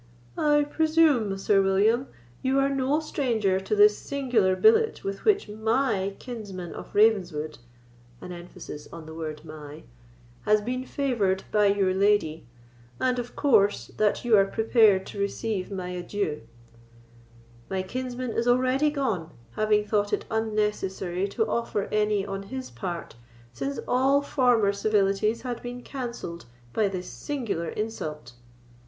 "I presume, Sir William, you are no stranger to this singular billet with which my kinsman of Ravenswood (an emphasis on the word 'my') has been favoured by your lady; and, of course, that you are prepared to receive my adieus. My kinsman is already gone, having thought it unnecessary to offer any on his part, since all former civilities had been cancelled by this singular insult."